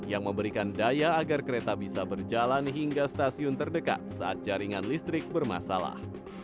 yang memberikan daya agar kereta bisa berjalan hingga stasiun terdekat saat jaringan listrik bermasalah